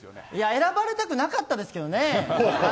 選ばれたくなかったですけどね。